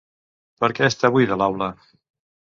Per què està buida l"aula?